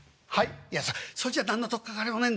「いやさそれじゃ何の取っかかりもねえんだよ。